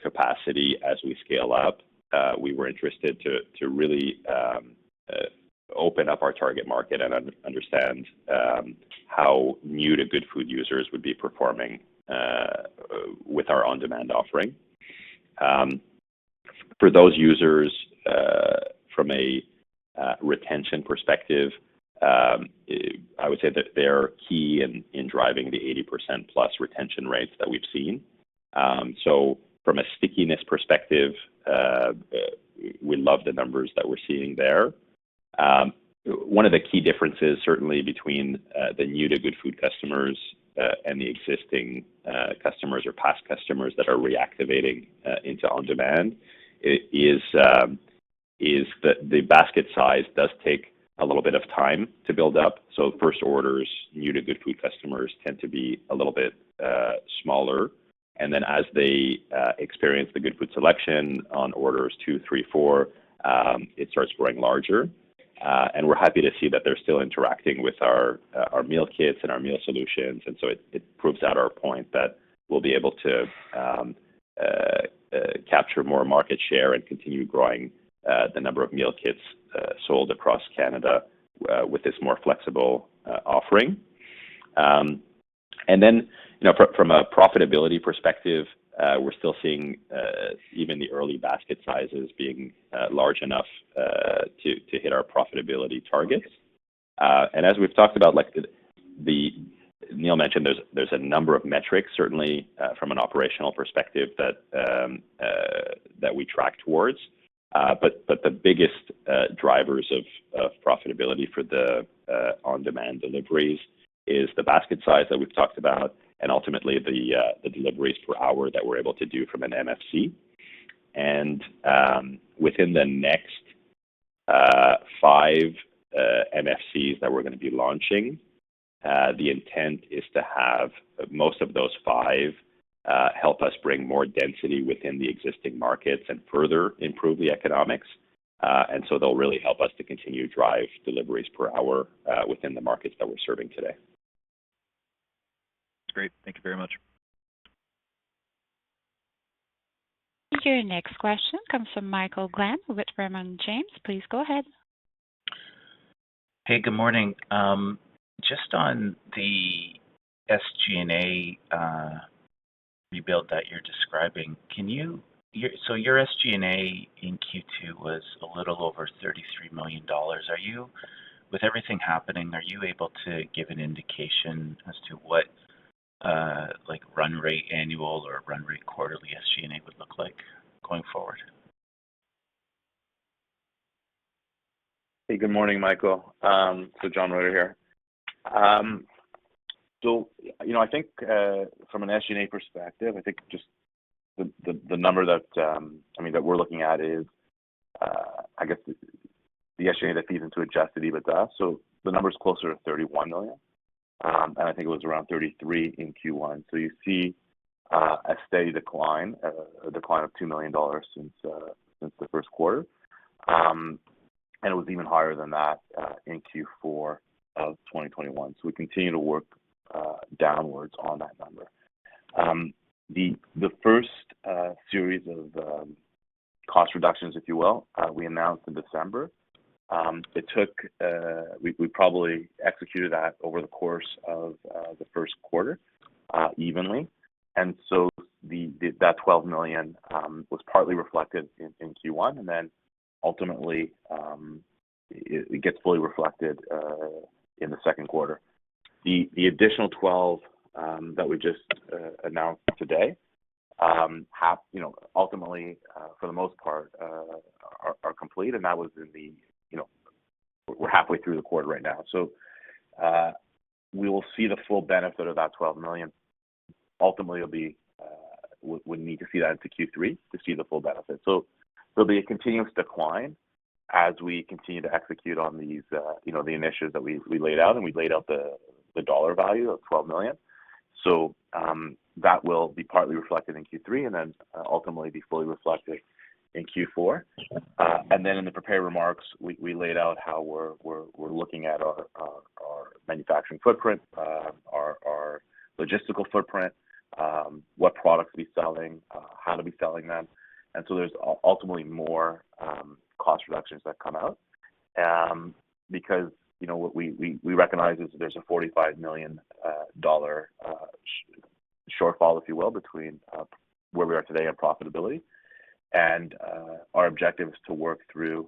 capacity as we scale up, we were interested to really open up our target market and understand how new to Goodfood users would be performing with our on-demand offering. For those users, from a retention perspective, I would say that they're key in driving the 80%+ retention rates that we've seen. From a stickiness perspective, we love the numbers that we're seeing there. One of the key differences certainly between the new to Goodfood customers and the existing customers or past customers that are reactivating into on-demand is Is that the basket size does take a little bit of time to build up. First orders, new to Goodfood customers tend to be a little bit smaller. As they experience the Goodfood selection on orders two, three, four, it starts growing larger. We're happy to see that they're still interacting with our meal kits and our meal solutions. It proves out our point that we'll be able to capture more market share and continue growing the number of meal kits sold across Canada with this more flexible offering. You know, from a profitability perspective, we're still seeing even the early basket sizes being large enough to hit our profitability targets. As we've talked about, like Neil mentioned there's a number of metrics, certainly, from an operational perspective that we track towards. But the biggest drivers of profitability for the on-demand deliveries is the basket size that we've talked about and ultimately the deliveries per hour that we're able to do from an MFC. Within the next five MFCs that we're gonna be launching, the intent is to have most of those five help us bring more density within the existing markets and further improve the economics. They'll really help us to continue to drive deliveries per hour within the markets that we're serving today. Great. Thank you very much. Your next question comes from Michael Glen with Raymond James. Please go ahead. Hey, good morning. Just on the SG&A rebuild that you're describing, so your SG&A in Q2 was a little over 33 million dollars. With everything happening, are you able to give an indication as to what, like, run rate annual or run rate quarterly SG&A would look like going forward? Hey, good morning, Michael. Jonathan Roiter here. You know, I think from an SG&A perspective, I think just the number that, I mean, that we're looking at is, I guess the SG&A that feeds into adjusted EBITDA. The number is closer to 31 million. I think it was around 33 million in Q1. You see a steady decline, a decline of 2 million dollars since the first quarter. It was even higher than that in Q4 of 2021. We continue to work downwards on that number. The first series of cost reductions, if you will, we announced in December. We probably executed that over the course of the first quarter evenly. The 12 million was partly reflected in Q1, and then ultimately, it gets fully reflected in the second quarter. The additional 12 that we just announced today have, you know, ultimately, for the most part, are complete, and that was in the. We're halfway through the quarter right now. We will see the full benefit of that 12 million. Ultimately, we need to see that into Q3 to see the full benefit. There'll be a continuous decline as we continue to execute on these, you know, the initiatives that we laid out, and we laid out the dollar value of 12 million. That will be partly reflected in Q3 and then ultimately be fully reflected in Q4. In the prepared remarks, we laid out how we're looking at our manufacturing footprint, our logistical footprint, what products to be selling, how to be selling them. There's ultimately more cost reductions that come out, because you know what we recognize is there's a 45 million dollar shortfall, if you will, between where we are today on profitability. Our objective is to work through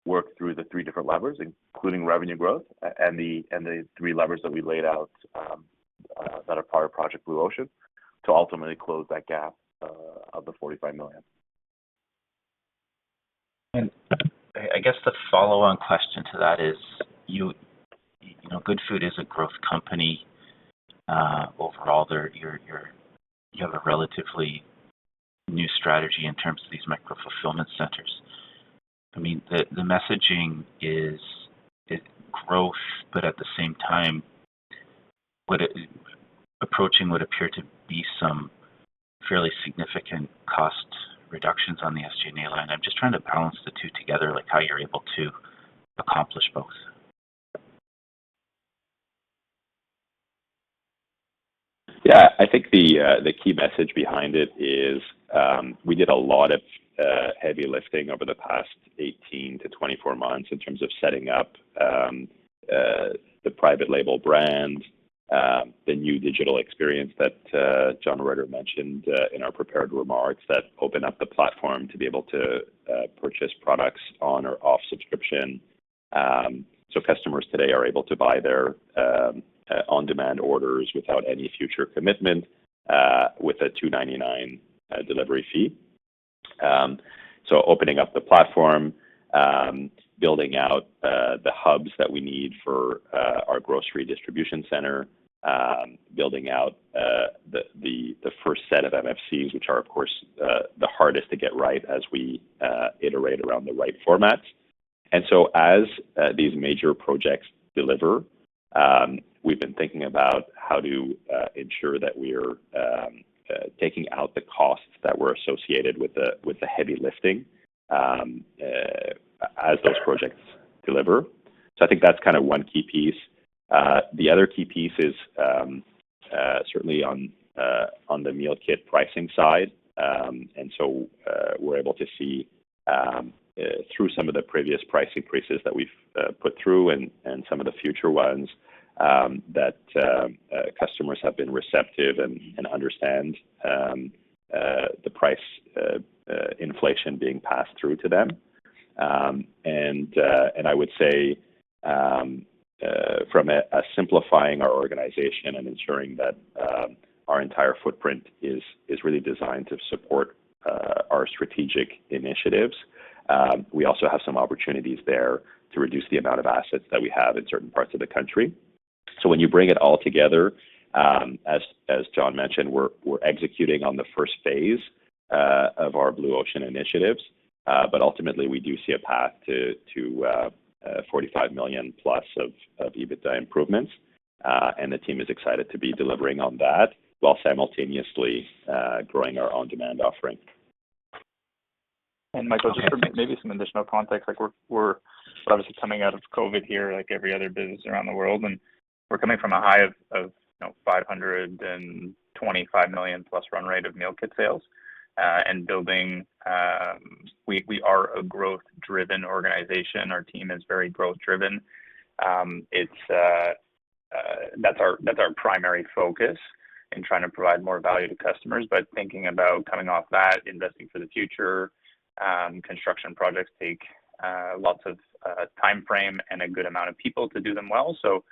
the three different levers, including revenue growth and the three levers that we laid out that are part of Project Blue Ocean to ultimately close that gap of the 45 million. I guess the follow-on question to that is you know, Goodfood is a growth company. Overall, you have a relatively new strategy in terms of these micro-fulfillment centers. I mean, the messaging is growth, but at the same time, approaching what appear to be some fairly significant cost reductions on the SG&A line. I'm just trying to balance the two together, like how you're able to accomplish both. Yeah. I think the key message behind it is, we did a lot of heavy lifting over the past 18-24 months in terms of setting up the private label brands, the new digital experience that Jonathan Roiter mentioned in our prepared remarks that open up the platform to be able to purchase products on or off subscription. Customers today are able to buy their on-demand orders without any future commitment with a 2.99 delivery fee. Opening up the platform, building out the hubs that we need for our grocery distribution center, building out the first set of MFCs, which are, of course, the hardest to get right as we iterate around the right formats. As these major projects deliver, we've been thinking about how to ensure that we're taking out the costs that were associated with the heavy lifting as those projects deliver. I think that's kind of one key piece. The other key piece is certainly on the meal kit pricing side. We're able to see through some of the previous price increases that we've put through and some of the future ones that customers have been receptive and understand the price inflation being passed through to them. I would say from a simplifying our organization and ensuring that our entire footprint is really designed to support our strategic initiatives. We also have some opportunities there to reduce the amount of assets that we have in certain parts of the country. When you bring it all together, as John mentioned, we're executing on the first phase of our Blue Ocean initiatives, but ultimately we do see a path to 45 million plus of EBITDA improvements. The team is excited to be delivering on that while simultaneously growing our on-demand offering. Michael, just for maybe some additional context, like we're obviously coming out of COVID here, like every other business around the world, and we're coming from a high of, you know, 525 million+ run rate of meal kit sales. We are a growth-driven organization. Our team is very growth driven. It's our primary focus in trying to provide more value to customers, but thinking about coming off that, investing for the future, construction projects take lots of timeframe and a good amount of people to do them well. You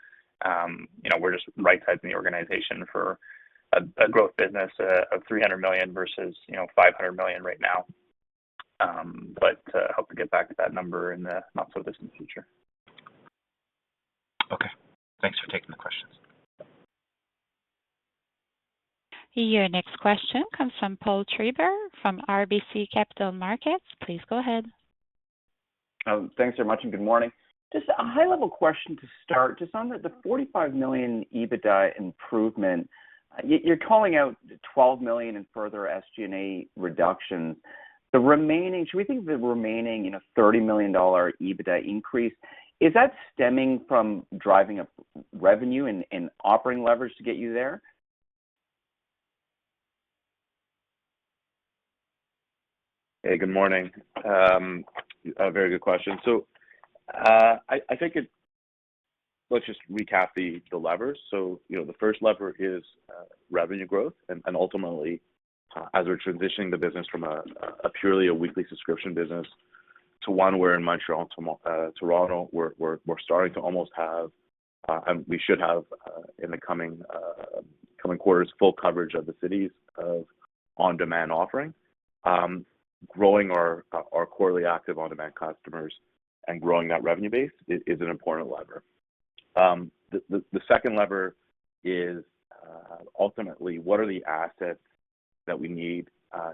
know, we're just right-sizing the organization for a growth business of 300 million versus, you know, 500 million right now. Hope to get back to that number in the not so distant future. Okay. Thanks for taking the questions. Your next question comes from Paul Treiber from RBC Capital Markets. Please go ahead. Thanks very much, and good morning. Just a high-level question to start, just on the 45 million EBITDA improvement, you're calling out 12 million in further SG&A reduction. The remaining, should we think of the remaining, you know, 30 million dollar EBITDA increase, is that stemming from driving up revenue and operating leverage to get you there? Hey, good morning. A very good question. I think it. Let's just recap the levers. You know, the first lever is revenue growth and ultimately, as we're transitioning the business from a purely weekly subscription business to one where in Montreal to Toronto, we're starting to almost have, and we should have, in the coming quarters, full coverage of the cities of on-demand offering. The second lever is ultimately, what are the assets that we need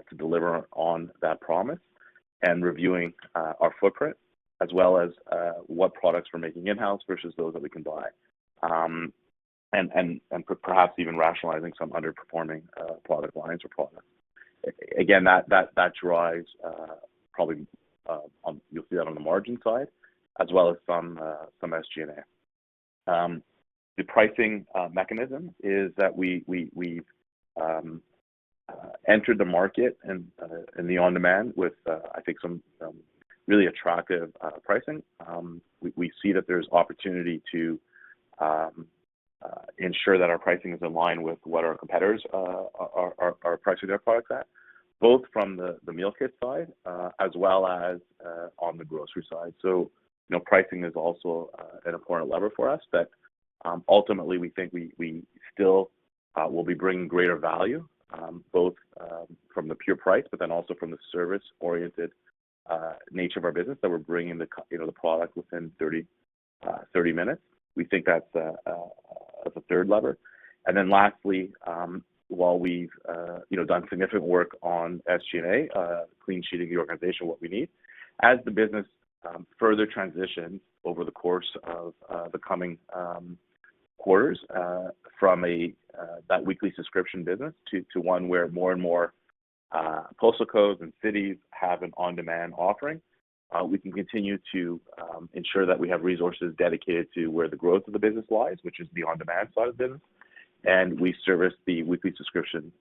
to deliver on that promise and reviewing our footprint, as well as, what products we're making in-house versus those that we can buy. Perhaps even rationalizing some underperforming product lines or products. Again, that drives probably you'll see that on the margin side as well as some SG&A. The pricing mechanism is that we've entered the market in the on-demand with I think some really attractive pricing. We see that there's opportunity to ensure that our pricing is in line with what our competitors are pricing their products at, both from the meal kit side as well as on the grocery side. You know, pricing is also an important lever for us. Ultimately, we think we still will be bringing greater value both from the pure price, but then also from the service-oriented nature of our business, that we're bringing you know, the product within 30 minutes. We think that's a third lever. Lastly, while we've you know, done significant work on SG&A, clean-sheeting the organization what we need, as the business further transitions over the course of the coming quarters, from that weekly subscription business to one where more and more postal codes and cities have an on-demand offering, we can continue to ensure that we have resources dedicated to where the growth of the business lies, which is the on-demand side of the business. We service the weekly subscription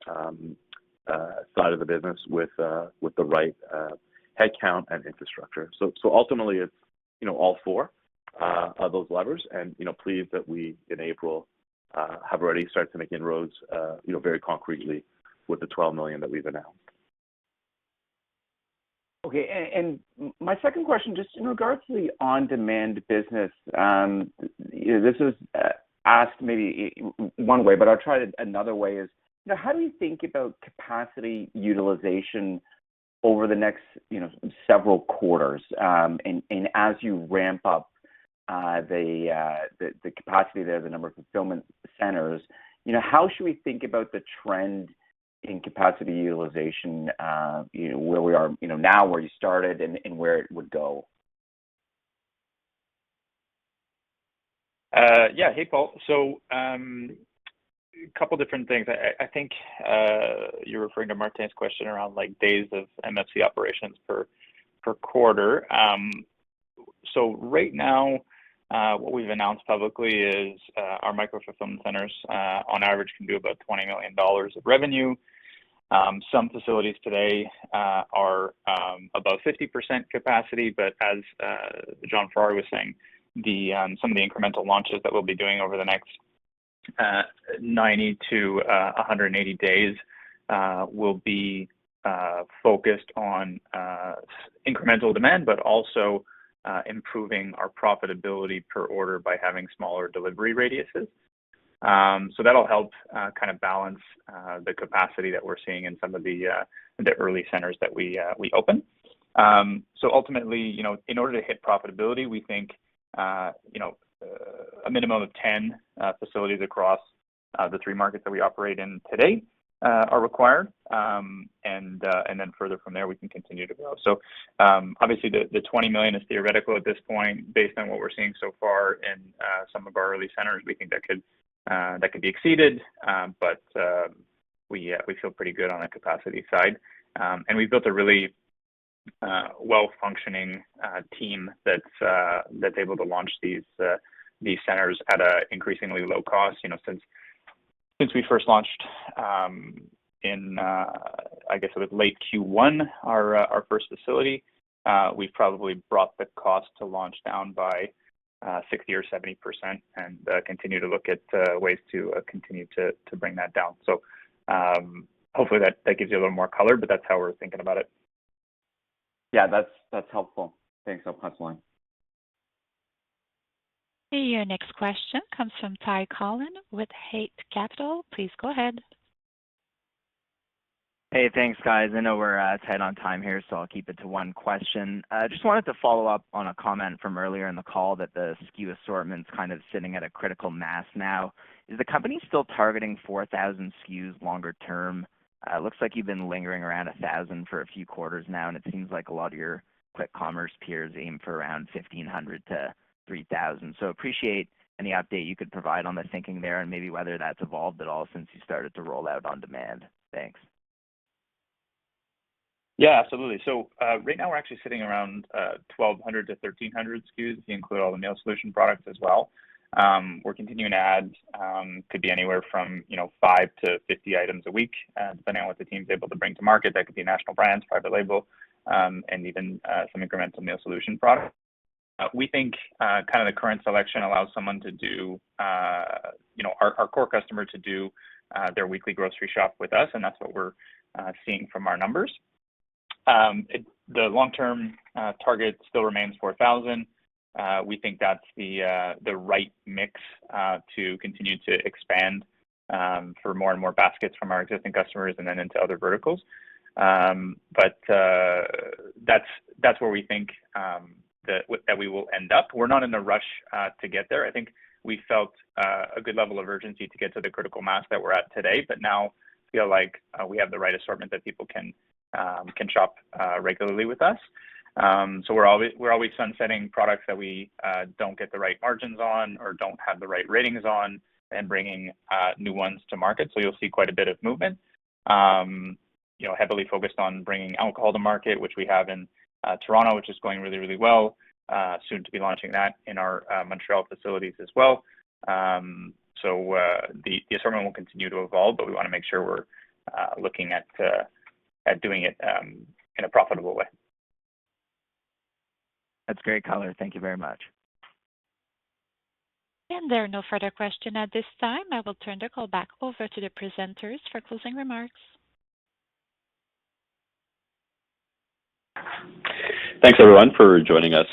side of the business with the right headcount and infrastructure. Ultimately, it's, you know, all four of those levers and, you know, pleased that we in April have already started to make inroads, you know, very concretely with the 12 million that we've announced. Okay. My second question, just in regards to the on-demand business, this is asked maybe one way, but I'll try it another way, you know, how do you think about capacity utilization over the next, you know, several quarters, and as you ramp up the capacity there, the number of fulfillment centers, you know, how should we think about the trend in capacity utilization, where we are, you know, now, where you started and where it would go? Yeah. Hey, Paul. Couple different things. I think you're referring to Martin's question around like days of MFC operations per quarter. Right now, what we've announced publicly is our micro-fulfillment centers on average can do about 20 million dollars of revenue. Some facilities today are above 50% capacity, but as Jonathan Ferrari was saying, some of the incremental launches that we'll be doing over the next 90 to 180 days will be focused on incremental demand, but also improving our profitability per order by having smaller delivery radiuses. That'll help kind of balance the capacity that we're seeing in some of the early centers that we open. Ultimately, you know, in order to hit profitability, we think, you know, a minimum of 10 facilities across the three markets that we operate in today are required. Then further from there, we can continue to grow. Obviously the 20 million is theoretical at this point. Based on what we're seeing so far in some of our early centers, we think that could be exceeded. We feel pretty good on the capacity side. We've built a really well-functioning team that's able to launch these centers at a increasingly low cost. You know, since we first launched in I guess it was late Q1, our first facility, we've probably brought the cost to launch down by 60% or 70% and continue to look at ways to continue to bring that down. Hopefully that gives you a little more color, but that's how we're thinking about it. Yeah, that's helpful. Thanks. I'll pass the line. Your next question comes from Ty Collin with Eight Capital. Please go ahead. Hey, thanks, guys. I know we're tight on time here, so I'll keep it to one question. Just wanted to follow up on a comment from earlier in the call that the SKU assortment's kind of sitting at a critical mass now. Is the company still targeting 4,000 SKUs longer term? It looks like you've been lingering around 1,000 for a few quarters now, and it seems like a lot of your quick commerce peers aim for around 1,500-3,000. Appreciate any update you could provide on the thinking there and maybe whether that's evolved at all since you started to roll out on demand. Thanks. Yeah, absolutely. Right now we're actually sitting around 1,200-1,300 SKUs, if you include all the meal solution products as well. We're continuing to add, could be anywhere from, you know, 5-50 items a week, depending on what the team's able to bring to market. That could be national brands, private label, and even some incremental meal solution products. We think, kind of the current selection allows someone to do, you know, our core customer to do their weekly grocery shop with us, and that's what we're seeing from our numbers. The long-term target still remains 4,000. We think that's the right mix to continue to expand for more and more baskets from our existing customers and then into other verticals. That's where we think that we will end up. We're not in a rush to get there. I think we felt a good level of urgency to get to the critical mass that we're at today, but now feel like we have the right assortment that people can shop regularly with us. We're always sunsetting products that we don't get the right margins on or don't have the right ratings on and bringing new ones to market, so you'll see quite a bit of movement. You know, heavily focused on bringing alcohol to market, which we have in Toronto, which is going really well. Soon to be launching that in our Montreal facilities as well. The assortment will continue to evolve, but we wanna make sure we're looking at doing it in a profitable way. That's great color. Thank you very much. There are no further questions at this time. I will turn the call back over to the presenters for closing remarks. Thanks, everyone, for joining us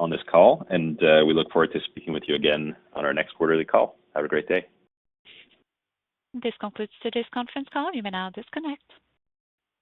on this call, and we look forward to speaking with you again on our next quarterly call. Have a great day. This concludes today's conference call. You may now disconnect.